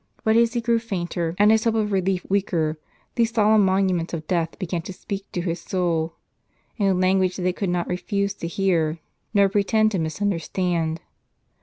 But as he grew fainter, and his hope of relief weaker, these solemn monu ments of death began to speak to his soul, in a language that it could not refuse to hear, nor pretend to misunderstand.